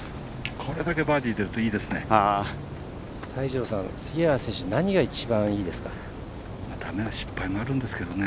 これだけバーディー出るといいですね。